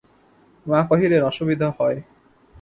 মা কহিলেন, অসুবিধা হয়।